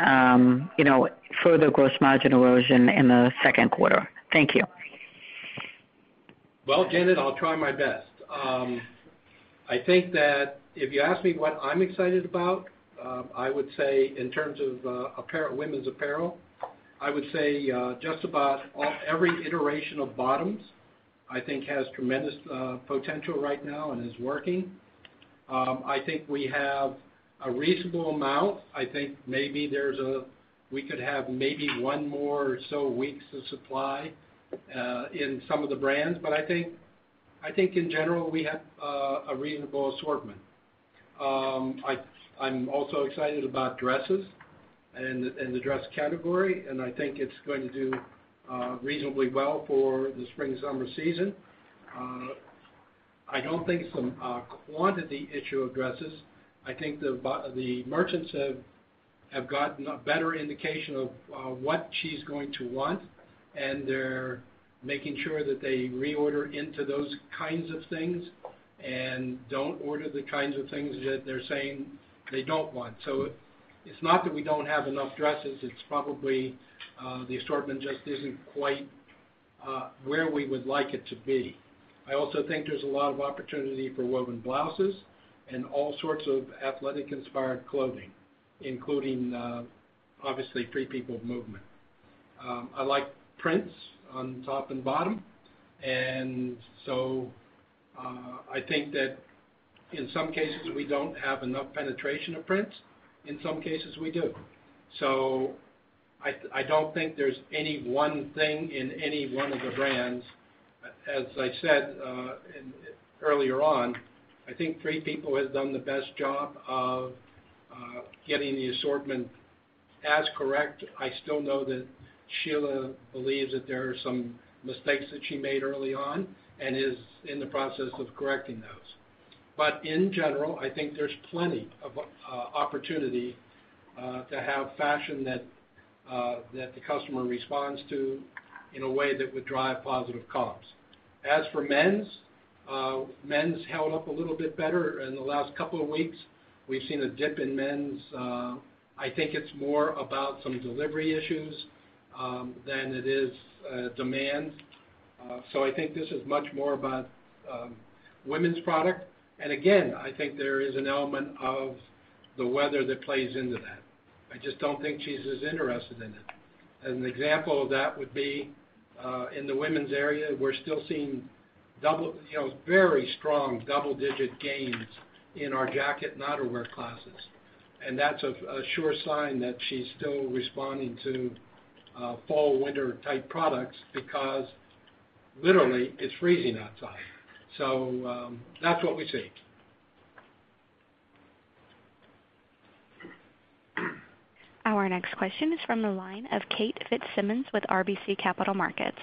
further gross margin erosion in the second quarter. Thank you. Well, Janet, I'll try my best. I think that if you ask me what I'm excited about, I would say in terms of women's apparel, I would say just about every iteration of bottoms I think has tremendous potential right now and is working. I think we have a reasonable amount. I think we could have maybe one more or so weeks of supply in some of the brands. I think in general, we have a reasonable assortment. I'm also excited about dresses In the dress category, I think it's going to do reasonably well for the spring-summer season. I don't think it's a quantity issue of dresses. I think the merchants have gotten a better indication of what she's going to want, and they're making sure that they reorder into those kinds of things and don't order the kinds of things that they're saying they don't want. It's not that we don't have enough dresses, it's probably the assortment just isn't quite where we would like it to be. I also think there's a lot of opportunity for woven blouses and all sorts of athletic-inspired clothing, including, obviously, FP Movement. I like prints on top and bottom. I think that in some cases, we don't have enough penetration of prints. In some cases, we do. I don't think there's any one thing in any one of the brands. As I said earlier on, I think Free People has done the best job of getting the assortment as correct. I still know that Sheila believes that there are some mistakes that she made early on and is in the process of correcting those. In general, I think there's plenty of opportunity to have fashion that the customer responds to in a way that would drive positive comps. As for men's held up a little bit better in the last couple of weeks. We've seen a dip in men's. I think it's more about some delivery issues than it is demand. I think this is much more about women's product. Again, I think there is an element of the weather that plays into that. I just don't think she's as interested in it. An example of that would be in the women's area, we're still seeing very strong double-digit gains in our jacket and outerwear classes. That's a sure sign that she's still responding to fall/winter type products because literally, it's freezing outside. That's what we see. Our next question is from the line of Kate Fitzsimons with RBC Capital Markets.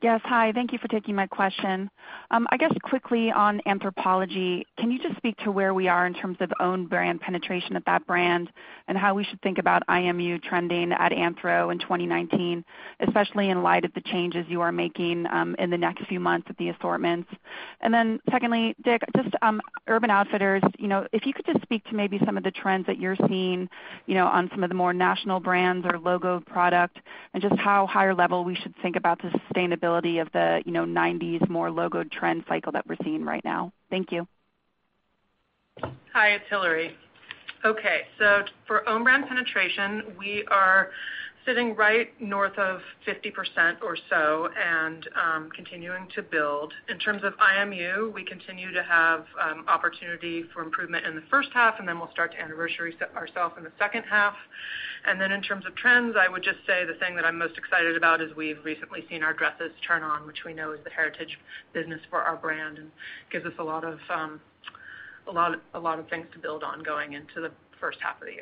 Yes. Hi. Thank you for taking my question. I guess quickly on Anthropologie, can you just speak to where we are in terms of own brand penetration of that brand and how we should think about IMU trending at Anthro in 2019, especially in light of the changes you are making in the next few months with the assortments. Secondly, Dick, just Urban Outfitters. If you could just speak to maybe some of the trends that you're seeing on some of the more national brands or logo product and just how higher level we should think about the sustainability of the '90s more logo trend cycle that we're seeing right now. Thank you. Hi, it's Hillary. Okay. For own brand penetration, we are sitting right north of 50% or so and continuing to build. In terms of IMU, we continue to have opportunity for improvement in the first half, and then we'll start to anniversary ourselves in the second half. In terms of trends, I would just say the thing that I'm most excited about is we've recently seen our dresses turn on, which we know is the heritage business for our brand and gives us a lot of things to build on going into the first half of the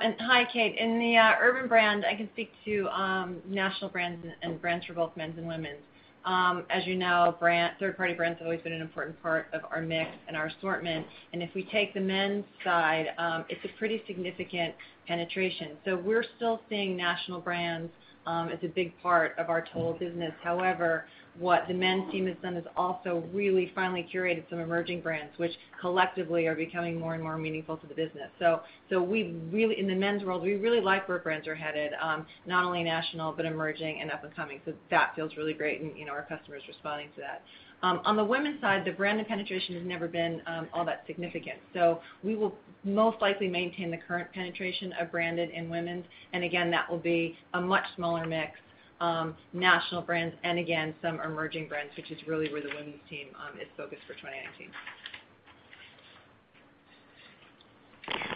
year. Hi, Kate. In the Urban brand, I can speak to national brands and brands for both men's and women's. As you know, third-party brands have always been an important part of our mix and our assortment. If we take the men's side, it's a pretty significant penetration. We're still seeing national brands as a big part of our total business. However, what the men's team has done is also really finally curated some emerging brands, which collectively are becoming more and more meaningful to the business. In the men's world, we really like where brands are headed. Not only national but emerging and up and coming. That feels really great, and our customers are responding to that. On the women's side, the branded penetration has never been all that significant. We will most likely maintain the current penetration of branded in women's, and again, that will be a much smaller mix. National brands and again, some emerging brands, which is really where the women's team is focused for 2019.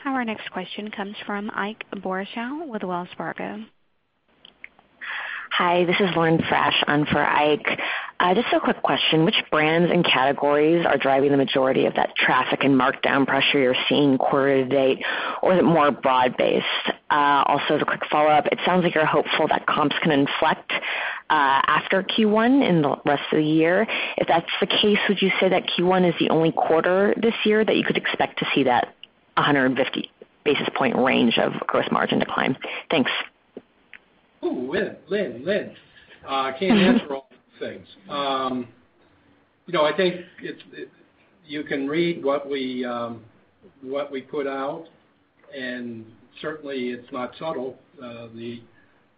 Our next question comes from Ike Boruchow with Wells Fargo. Hi, this is Lynn Fresh on for Ike. Just a quick question. Which brands and categories are driving the majority of that traffic and markdown pressure you're seeing quarter to date, or is it more broad-based? As a quick follow-up, it sounds like you're hopeful that comps can inflect after Q1 in the rest of the year. If that's the case, would you say that Q1 is the only quarter this year that you could expect to see that 150 basis point range of gross margin decline? Thanks. Lynn. I can't answer all those things. I think you can read what we put out, and certainly, it's not subtle. The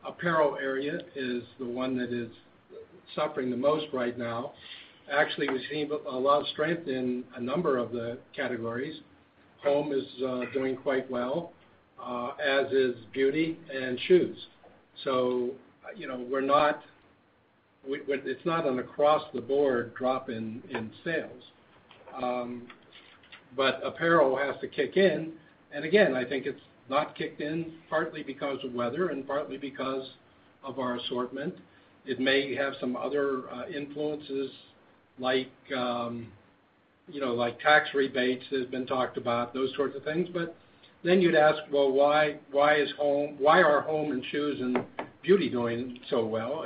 apparel area is the one that is suffering the most right now. Actually, we're seeing a lot of strength in a number of the categories. Home is doing quite well, as is beauty and shoes. It's not an across-the-board drop in sales. Apparel has to kick in, and again, I think it's not kicked in partly because of weather and partly because of our assortment. It may have some other influences like tax rebates has been talked about, those sorts of things. You'd ask, "Well, why are home and shoes and beauty doing so well?"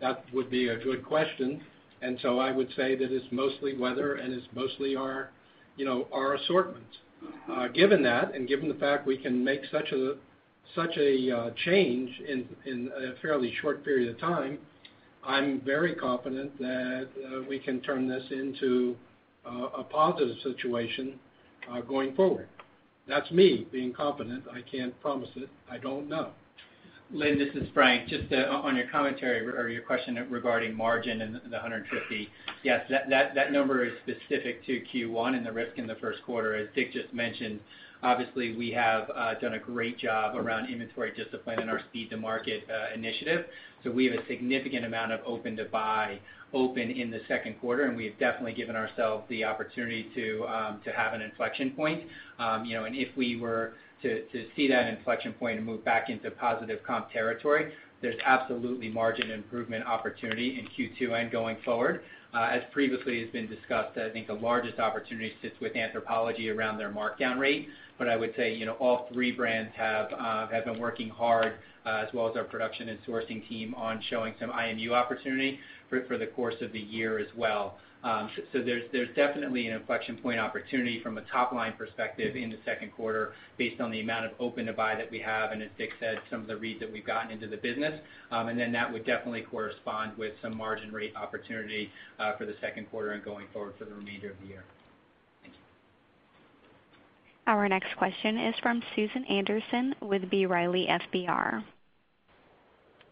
That would be a good question. I would say that it's mostly weather and it's mostly our assortment. Given that, given the fact we can make such a change in a fairly short period of time, I'm very confident that we can turn this into a positive situation going forward. That's me being confident. I can't promise it. I don't know. Lynn, this is Frank. Just on your commentary or your question regarding margin and the 150. Yes, that number is specific to Q1 and the risk in the first quarter, as Dick just mentioned. Obviously, we have done a great job around inventory discipline and our speed to market initiative. We have a significant amount of open to buy open in the second quarter, and we have definitely given ourselves the opportunity to have an inflection point. If we were to see that inflection point and move back into positive comp territory, there's absolutely margin improvement opportunity in Q2 and going forward. As previously has been discussed, I think the largest opportunity sits with Anthropologie around their markdown rate. I would say, all three brands have been working hard, as well as our production and sourcing team, on showing some IMU opportunity for the course of the year as well. There's definitely an inflection point opportunity from a top-line perspective in the second quarter based on the amount of open to buy that we have and, as Dick said, some of the reads that we've gotten into the business. That would definitely correspond with some margin rate opportunity for the second quarter and going forward for the remainder of the year. Thank you. Our next question is from Susan Anderson with B. Riley FBR.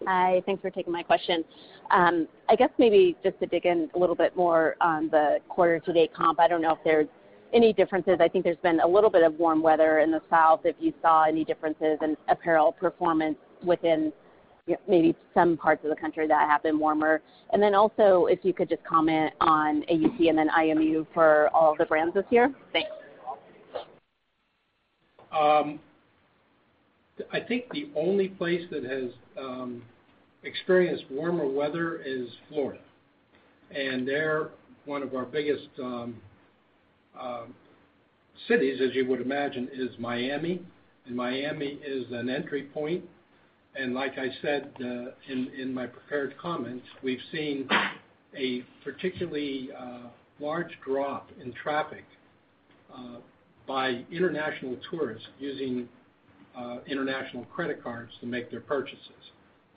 Hi, thanks for taking my question. I guess maybe just to dig in a little bit more on the quarter-to-date comp, I don't know if there's any differences. I think there's been a little bit of warm weather in the South. If you saw any differences in apparel performance within maybe some parts of the country that have been warmer. If you could just comment on AUC and then IMU for all of the brands this year. Thanks. I think the only place that has experienced warmer weather is Florida. There, one of our biggest cities, as you would imagine, is Miami. Miami is an entry point. Like I said in my prepared comments, we've seen a particularly large drop in traffic by international tourists using international credit cards to make their purchases.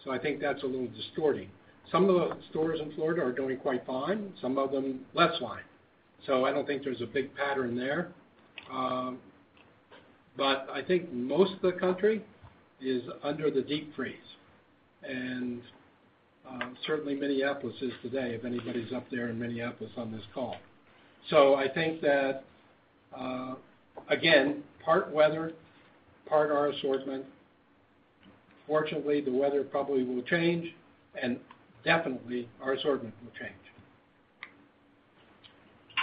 I think that's a little distorting. Some of the stores in Florida are doing quite fine, some of them less fine. I don't think there's a big pattern there. I think most of the country is under the deep freeze, and certainly Minneapolis is today, if anybody's up there in Minneapolis on this call. I think that, again, part weather, part our assortment. Fortunately, the weather probably will change, and definitely our assortment will change.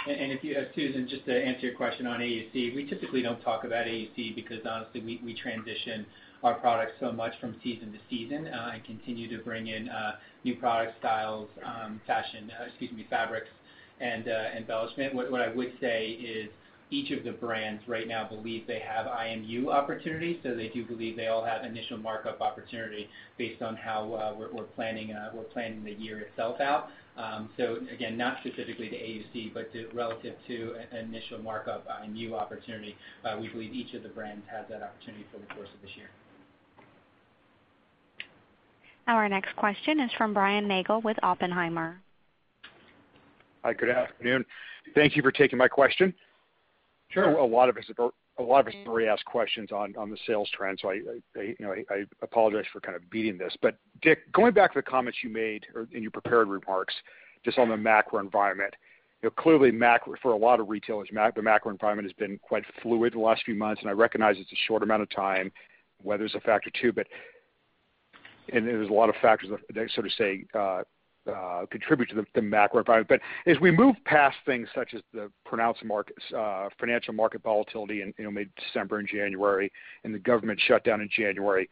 If you, Susan, just to answer your question on AUC, we typically don't talk about AUC because honestly, we transition our products so much from season to season and continue to bring in new product styles, fashion, excuse me, fabrics and embellishment. What I would say is each of the brands right now believe they have IMU opportunities, so they do believe they all have initial markup opportunity based on how we're planning the year itself out. Again, not specifically to AUC, but relative to initial markup, a new opportunity. We believe each of the brands has that opportunity for the course of this year. Our next question is from Brian Nagel with Oppenheimer. Hi, good afternoon. Thank you for taking my question. Sure. A lot of us already asked questions on the sales trends, I apologize for kind of beating this. Dick, going back to the comments you made in your prepared remarks, just on the macro environment. Clearly for a lot of retailers, the macro environment has been quite fluid the last few months, and I recognize it's a short amount of time. Weather's a factor too, and there's a lot of factors that sort of contribute to the macro environment. As we move past things such as the pronounced financial market volatility in mid-December and January and the government shutdown in January,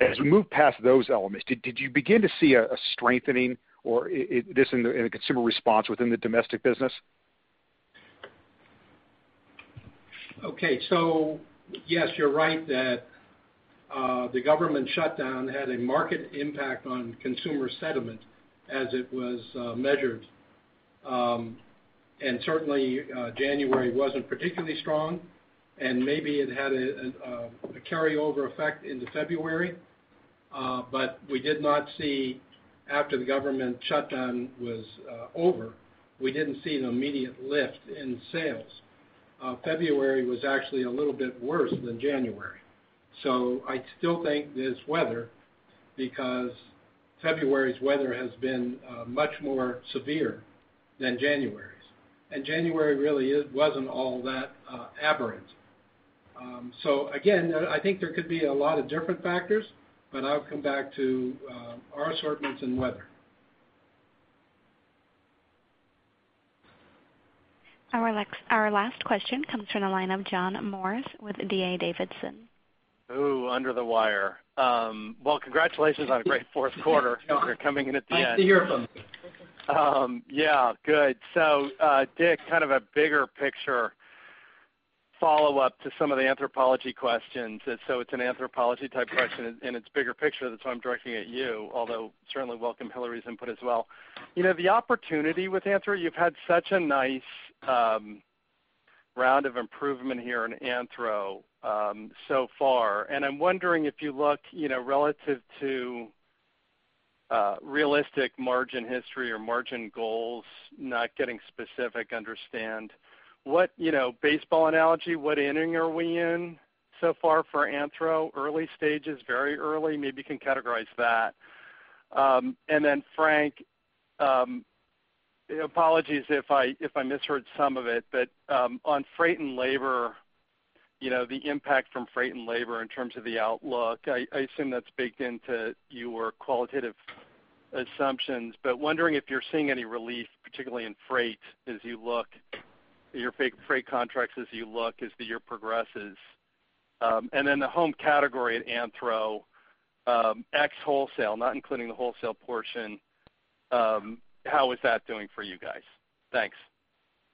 as we move past those elements, did you begin to see a strengthening or this in the consumer response within the domestic business? Okay. Yes, you're right that the government shutdown had a market impact on consumer sentiment as it was measured. Certainly, January wasn't particularly strong, and maybe it had a carryover effect into February. We did not see, after the government shutdown was over, we didn't see an immediate lift in sales. February was actually a little bit worse than January. I still think it is weather because February's weather has been much more severe than January's. January really wasn't all that aberrant. Again, I think there could be a lot of different factors, but I'll come back to our assortments and weather. Our last question comes from the line of John Morris with D.A. Davidson. Ooh, under the wire. Well, congratulations on a great fourth quarter. John. You're coming in at the end. Nice to hear from you. Yeah, good. Dick, kind of a bigger picture follow-up to some of the Anthropologie questions. It's an Anthropologie type question and it's bigger picture, that's why I'm directing it at you, although certainly welcome Hillary's input as well. The opportunity with Anthro, you've had such a nice round of improvement here in Anthro so far, and I'm wondering if you look, relative to realistic margin history or margin goals, not getting specific, understand. Baseball analogy, what inning are we in so far for Anthro? Early stages, very early? Maybe you can categorize that. Frank, apologies if I misheard some of it, but on freight and labor, the impact from freight and labor in terms of the outlook, I assume that's baked into your qualitative assumptions, but wondering if you're seeing any relief, particularly in freight, as you look at your freight contracts, as you look as the year progresses. The home category at Anthro, ex-wholesale, not including the wholesale portion, how is that doing for you guys? Thanks.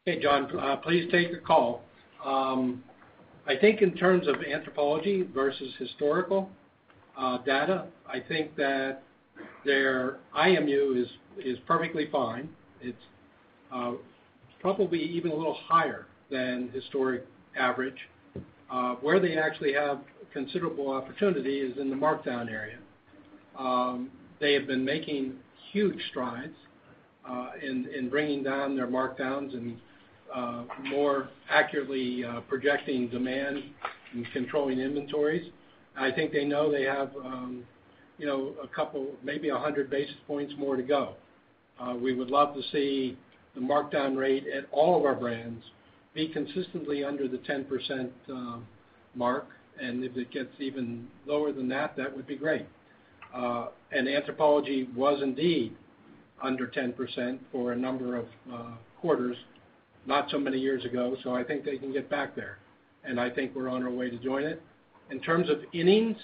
Hey, John. Please take the call. In terms of Anthropologie versus historical data, their IMU is perfectly fine. It's probably even a little higher than historic average. Where they actually have considerable opportunity is in the markdown area. They have been making huge strides in bringing down their markdowns and more accurately projecting demand and controlling inventories. They know they have a couple, maybe 100 basis points more to go. We would love to see the markdown rate at all of our brands be consistently under the 10% mark, and if it gets even lower than that would be great. Anthropologie was indeed under 10% for a number of quarters, not so many years ago, they can get back there, we're on our way to doing it. In terms of innings,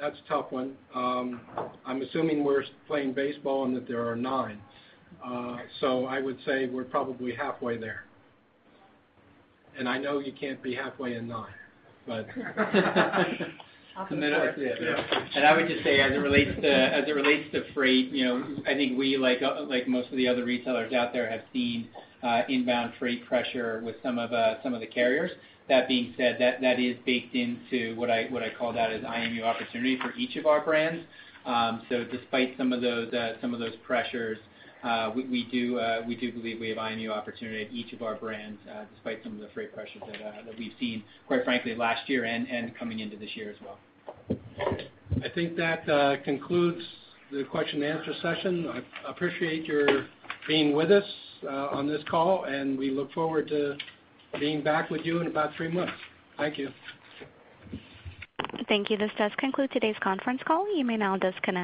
that's a tough one. I'm assuming we're playing baseball and that there are nine. I would say we're probably halfway there. I know you can't be halfway in nine. I would just say, as it relates to freight, we, like most of the other retailers out there, have seen inbound freight pressure with some of the carriers. That being said, that is baked into what I call that as IMU opportunity for each of our brands. Despite some of those pressures, we do believe we have IMU opportunity at each of our brands, despite some of the freight pressures that we've seen, quite frankly, last year and coming into this year as well. I think that concludes the question and answer session. I appreciate your being with us on this call. We look forward to being back with you in about three months. Thank you. Thank you. This does conclude today's conference call. You may now disconnect.